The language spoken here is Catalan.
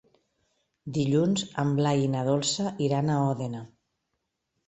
Dilluns en Blai i na Dolça iran a Òdena.